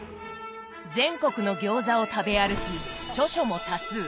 全国の餃子を食べ歩き著書も多数！